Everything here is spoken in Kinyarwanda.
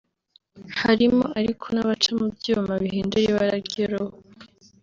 harimo ariko n’abaca mu byuma bihindura ibara ry’uruhu